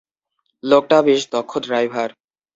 লোকটা বেশ দক্ষ ড্রাইভার।